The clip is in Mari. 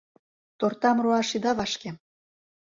Тортам руаш ида вашке!